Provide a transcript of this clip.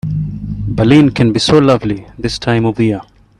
Berlin can be so lovely this time of year.